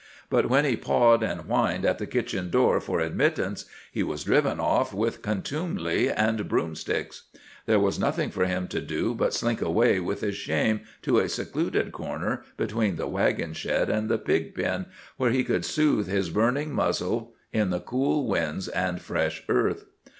But when he pawed and whined at the kitchen door for admittance, he was driven off with contumely and broomsticks. There was nothing for him to do but slink away with his shame to a secluded corner between the wagon shed and the pig pen, where he could soothe his burning muzzle in the cool winds and fresh earth.